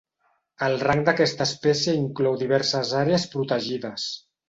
El rang d'aquesta espècie inclou diverses àrees protegides.